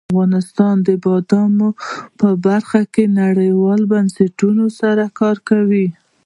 افغانستان د بادام په برخه کې نړیوالو بنسټونو سره کار کوي.